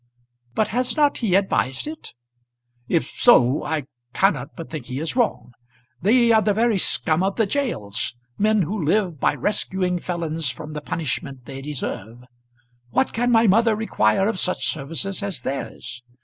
"But has not he advised it?" "If so I cannot but think he is wrong. They are the very scum of the gaols; men who live by rescuing felons from the punishment they deserve. What can my mother require of such services as theirs?